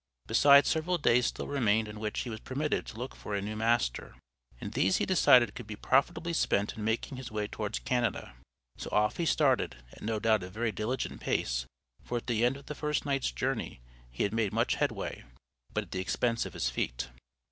Besides several days still remained in which he was permitted to look for a new master, and these he decided could be profitably spent in making his way towards Canada. So off he started, at no doubt a very diligent pace, for at the end of the first night's journey, he had made much headway, but at the expense of his feet.